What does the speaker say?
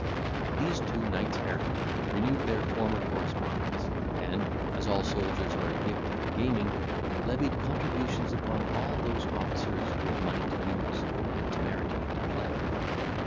These two knights errant renewed their former correspondence, and, as all soldiers are addicted to gaming, levied contributions upon all those officers who had money to lose, and temerity to play.